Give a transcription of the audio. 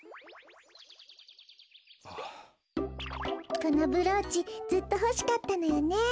このブローチずっとほしかったのよね。